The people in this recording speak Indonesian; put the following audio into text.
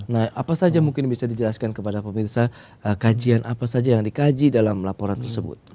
nah apa saja mungkin bisa dijelaskan kepada pemirsa kajian apa saja yang dikaji dalam laporan tersebut